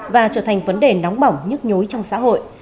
và trở thành vấn đề nóng bỏng nhức nhối trong xã hội